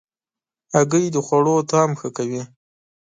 هګۍ د خوړو طعم ښه کوي.